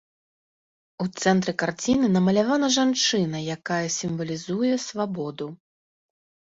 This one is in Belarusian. У цэнтры карціны намалявана жанчына, якая сімвалізуе свабоду.